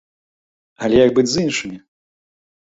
Але як быць з іншымі?